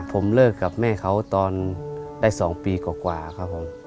ผมเลิกกับแม่เขาตอนได้๒ปีกว่าครับผม